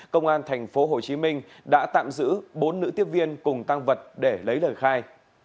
công an tp hcm đã tạm giữ bốn nữ tiếp viên cùng tăng vật để lấy lời khai